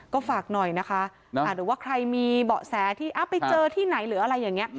ก็ฝากหน่อยนะคะหรือว่าใครมีเบาะแสที่ไปเจอที่ไหนหรืออะไรอย่างนี้